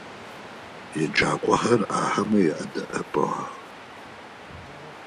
Еджакӏохэр ахэмэ адэӏэпыӏэх.